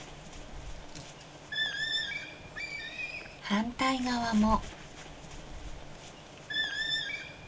反対側も。